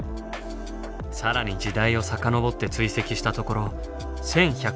更に時代を遡って追跡したところ１，１２０万